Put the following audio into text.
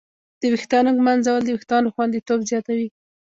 د ویښتانو ږمنځول د وېښتانو خوندیتوب زیاتوي.